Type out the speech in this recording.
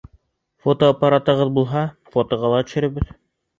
Фотоаппаратығыҙ булһа, фотоға ла төшөрбөҙ.